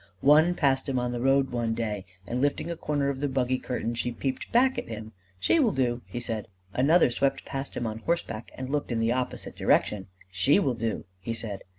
One passed him on the road one day, and, lifting a corner of the buggy curtain, she peeped back at him: "She will do!" he said. Another swept past him on horseback and looked in the opposite direction. "She will do!" he said.